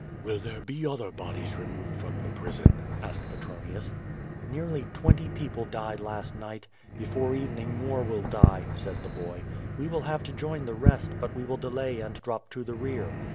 "Will there be other bodies removed from the prison?" asked Petronius. "Nearly twenty people died last night. Before evening, more will die," said the boy. "We will have to join the rest, but we will delay and drop to the rear.